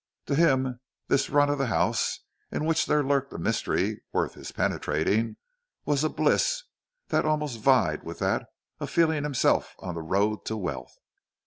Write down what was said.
To him this run of a house in which there lurked a mystery worth his penetrating, was a bliss that almost vied with that of feeling himself on the road to wealth.